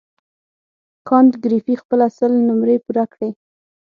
کانت ګریفي خپله سل نمرې پوره کړې.